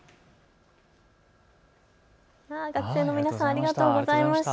学生の皆さん、ありがとうございました。